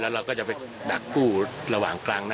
เราก็จะที่นำกู้